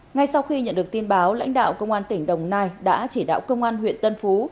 ngay sau khi nhận được tin báo lãnh đạo công an tỉnh đồng nai đã chỉ đạo công an huyện tân phú